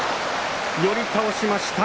寄り倒しました。